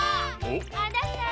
あなた！